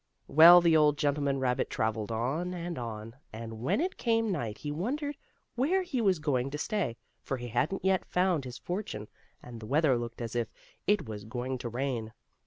Well, the old gentleman rabbit traveled on and on, and when it came night he wondered where he was going to stay, for he hadn't yet found his fortune and the weather looked as if it was going to rain.